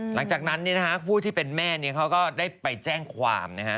หลังจากนั้นผู้ที่เป็นแม่เขาก็ได้ไปแจ้งความนะฮะ